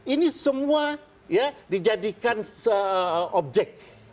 ini semua dijadikan objek